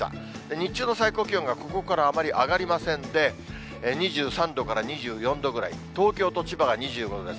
日中の最高気温がここからあまり上がりませんで、２３度から２４度ぐらい、東京と千葉が２５度です。